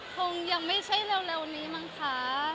คงยังไม่ใช่เร็วนี้มั้งคะ